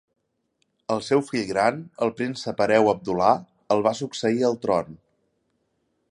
El seu fill gran, el príncep Hereu Abdullah, el va succeir al tron.